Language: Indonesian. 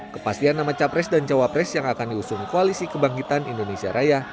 kepastian nama capres dan cawapres yang akan diusung koalisi kebangkitan indonesia raya